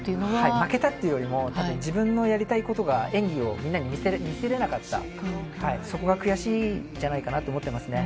負けたっていうよりも、自分のやりたいことが、演技をみんなに見せれなかった、そこが悔しいんじゃないかなと思ってますね。